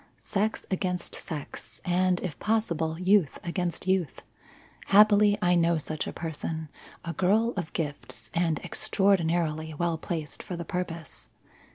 Sex against sex, and, if possible, youth against youth. Happily, I know such a person a girl of gifts and extraordinarily well placed for the purpose.